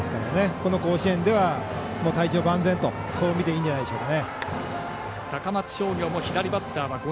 この甲子園では体調万全と見ていいんじゃないでしょうか。